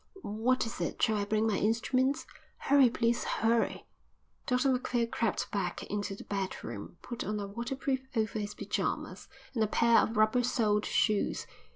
"What is it? Shall I bring my instruments?" "Hurry, please, hurry." Dr Macphail crept back into the bedroom, put on a waterproof over his pyjamas, and a pair of rubber soled shoes.